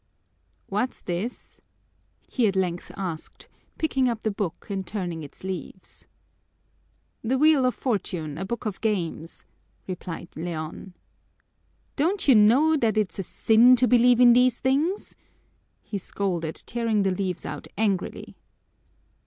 "What's this?" he at length asked, picking up the book and turning its leaves. "The Wheel of Fortune, a book of games," replied Leon. "Don't you know that it's a sin to believe in these things?" he scolded, tearing the leaves out angrily.